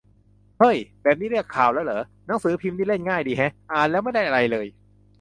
เฮ้ย แบบนี้เรียก 'ข่าว' แล้วเหรอ หนังสือพิมพ์นี่เล่นง่ายดีแฮะ อ่านแล้วไม่ได้อะไรเลย